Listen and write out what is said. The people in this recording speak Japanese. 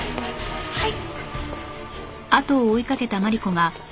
はい！